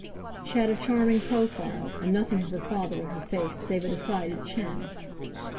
She had a charming profile, and nothing of her father in her face save a decided chin.